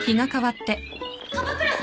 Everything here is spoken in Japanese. ・樺倉さん！